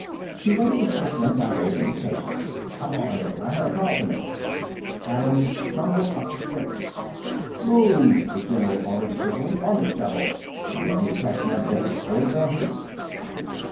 He waved the shotgun by way of invitation. "Come on in. I have a call to make." Adams stumbled up the stairs. "Move!" the general ordered, shivering. "On the double! You want me to catch my death of cold out here?"